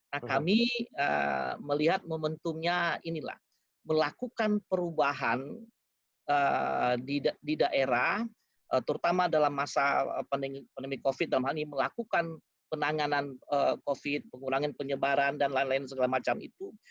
nah kami melihat momentumnya inilah melakukan perubahan di daerah terutama dalam masa pandemi covid dalam hal ini melakukan penanganan covid pengulangan penyebaran dan lain lain segala macam itu